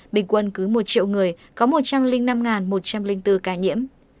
bình quân cứ một triệu người có một trăm linh năm một trăm linh bốn ca nhiễm